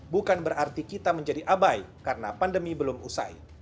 bukan berarti kita menjadi abai karena pandemi belum usai